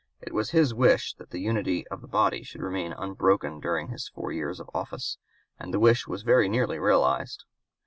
It was his wish that the unity of the body should remain unbroken during his four years of office, and the wish was very nearly realized.